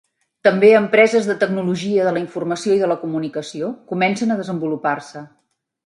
També empreses de tecnologia de la informació i de la comunicació comencen a desenvolupar-se.